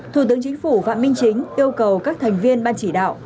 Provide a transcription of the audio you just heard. thủ tướng chính phủ phạm minh chính yêu cầu các thành viên ban chỉ đạo